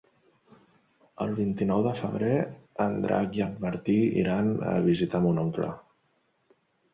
El vint-i-nou de febrer en Drac i en Martí iran a visitar mon oncle.